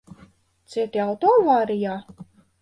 Cieti auto avārijā?